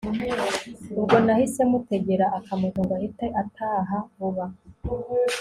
ubwo nahise mutegera akamoto ngo ahite ataha vuba